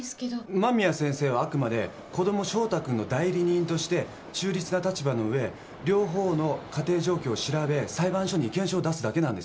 間宮先生はあくまで子供翔太君の代理人として中立な立場の上両方の家庭状況を調べ裁判所に意見書を出すだけなんですよ。